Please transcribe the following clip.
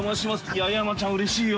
いや、山ちゃんうれしいよ。